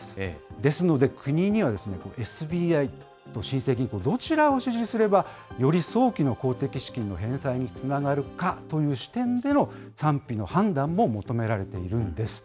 ですので、国には、ＳＢＩと新生銀行、どちらを支持すればより早期の公的資金の返済につながるかという視点での賛否の判断も求められているんです。